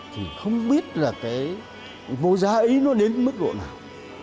thì không biết là cái vô giá ấy nó đến mức độ nào